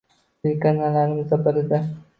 Telekanallarimizdan birida